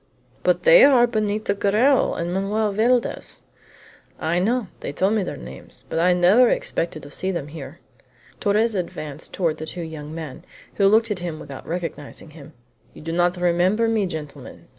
"But they are Benito Garral and Manoel Valdez." "I know. They told me their names, but I never expected to see them here." Torres advanced toward the two young men, who looked at him without recognizing him. "You do not remember me, gentlemen?"